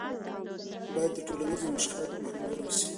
باید د ټولنیزو مشکلاتو مخنیوی وسي.